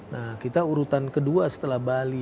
nah kita urutan kedua setelah bali